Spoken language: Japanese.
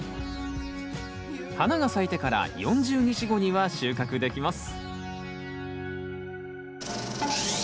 花が咲いてから４０日後には収穫できます。